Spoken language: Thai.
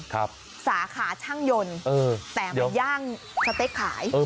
ครับสาขาช่างยนต์เออแต่ย่างสเต็กขายเออ